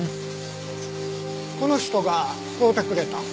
この人が買うてくれたん？